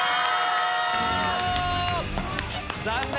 残念！